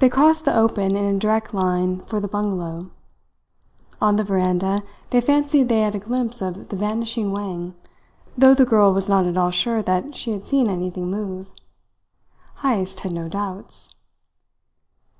They crossed the open in a direct line for the bungalow. On the veranda they fancied they had a glimpse of the vanishing Wang, though the girl was not at all sure that she had seen anything move. Heyst had no doubts.